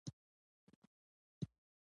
ليک ولې نه رالېږې؟